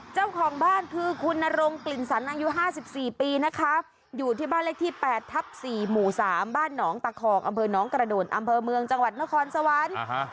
เจ้าของบ้านคือคุณนรงกลิ่นสันอายุ๕๔ปีนะคะอยู่ที่บ้านเลขที่๘ทับ๔หมู่๓บ้านหนองตะคองอำเภอน้องกระโดนอำเภอเมืองจังหวัดนครสวรรค์